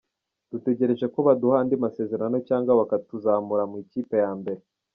Dutegereje ko baduha andi masezerano cyangwa bakatuzamura mu ikipe ya mbere.